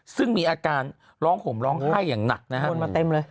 ซึ่งมีอาการร้องห่มร้องไห้อย่างหนักนะครับ